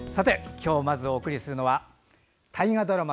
きょうまずお送りするのは大河ドラマ